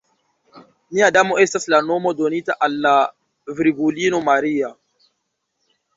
Nia Damo estas la nomo donita al la Virgulino Maria.